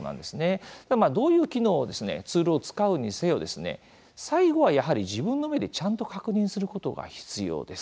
どういう機能をツールを使うにせよ、最後はやはり自分の目でちゃんと確認するということが必要です。